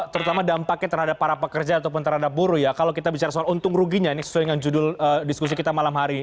terutama dampaknya terhadap para pekerja ataupun terhadap buruh ya kalau kita bicara soal untung ruginya ini sesuai dengan pemerintah ini